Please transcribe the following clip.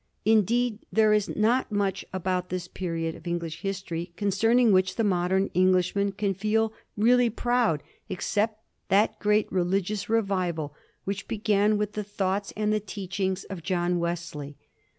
Indeed, there is not much about this period of English history concerning which the modern English man can feel really proud except that great religious revi val which began with the thoughts and the teachings of John Wesley.